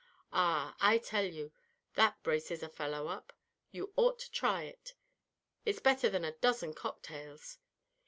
Ah, I tell you, that braces a fellow up; you ought to try it; it's better than a dozen cocktails.